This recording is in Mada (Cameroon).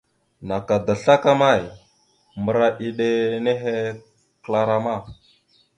Naka da slakama, mbəra iɗe nehe kəla rama.